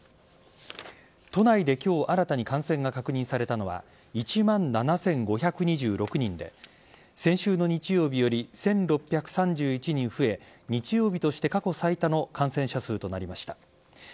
都内で今日新たに感染が確認されたのは１万７５２６人で先週の日曜日より１６３１人増え日曜日として過去最多の感染者数となりました。